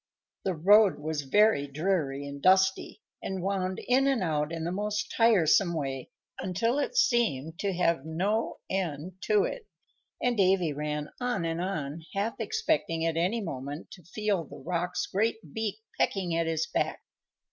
The road was very dreary and dusty, and wound in and out in the most tiresome way until it seemed to have no end to it, and Davy ran on and on, half expecting at any moment to feel the Roc's great beak pecking at his back.